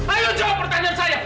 ayo jawab pertanyaan saya